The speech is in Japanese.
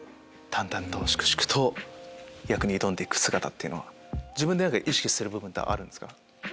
淡々と粛々と役に挑んで行く姿っていうのは自分で意識してる部分はあるんですか？